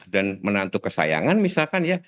dan menantu kesayangan misalkan ya